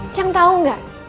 cang tau gak